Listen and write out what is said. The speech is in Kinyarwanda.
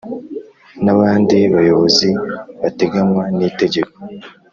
N abandi bayobozi bateganywa n itegeko